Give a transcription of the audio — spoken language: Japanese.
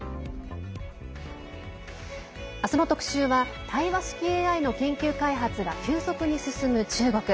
明日の特集は対話式ＡＩの研究開発が急速に進む中国。